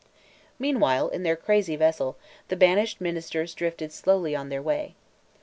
Meanwhile, in their crazy vessel, the banished ministers drifted slowly on their way.